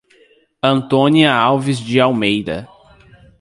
Antônia Alves de Almeida